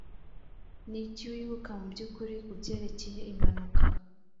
niki wibuka mubyukuri kubyerekeye impanuka?